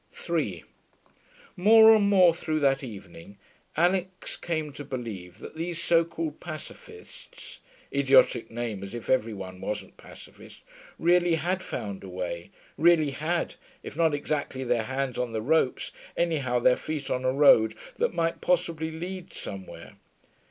3 More and more through that evening Alix came to believe that these so called Pacificists (idiotic name as if every one wasn't Pacificist) really had found a way, really had, if not exactly their hands on the ropes, anyhow their feet on a road that might possibly lead somewhere.